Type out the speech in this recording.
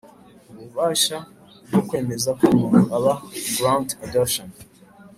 ububasha bwo kwemeza ko umuntu aba grant adoption